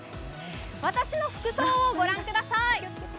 私の服装を御覧ください。